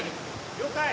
了解！